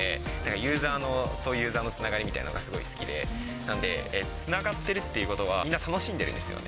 ユーザーとユーザーのつながりがすごい好きで、なんで、つながってるっていうことが、みんな楽しんでるんですよね。